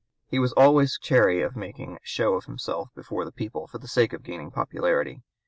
He was always chary of making a show of himself before the people for the sake of gaining popularity.